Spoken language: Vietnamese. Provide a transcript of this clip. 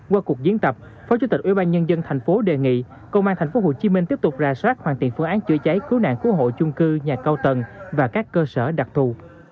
qua cuộc diễn tập phó chủ tịch ubnd thành phố đề nghị công an tp hcm tiếp tục rà soát hoàn thiện phương án chữa cháy khu nạn khu hộ chung cư nhà cao tầng và các cơ sở đặc thù